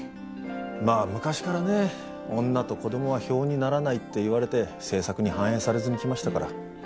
まあ昔からね女と子供は票にならないっていわれて政策に反映されずにきましたから。